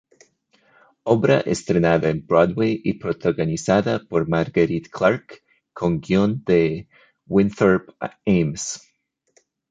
Obra estrenada en Broadway y protagonizada por Marguerite Clark con guion de Winthrop Ames.